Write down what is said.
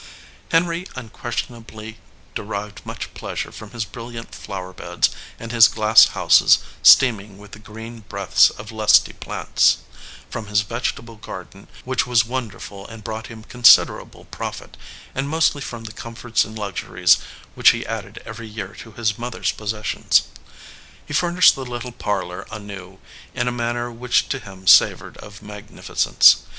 Henry unquestionably derived much pleasure from his brilliant flower beds and his glass houses steaming with the green breaths of lusty plants, from his vegetable garden which was wonderful 242 THE SOLDIER MAN and brought him considerable profit, and mostly from the comforts and luxuries which he added every year to his mother s possessions. He fur nished the little parlor anew in a manner which to him savored of magnificence.